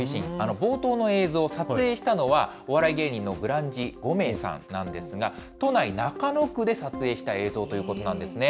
冒頭の映像、撮影したのはお笑い芸人のグランジ・五明さんなんですけれども、都内、中野区で撮影した映像ということなんですね。